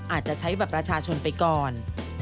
อาจจะใช้บัตรประชาชนไปก่อน